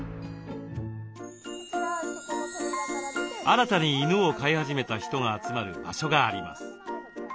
新たに犬を飼い始めた人が集まる場所があります。